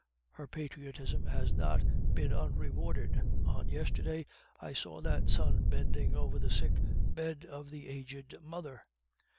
Her patriotism has not been unrewarded. On yesterday I saw that son bending over the sick bed of the aged mother.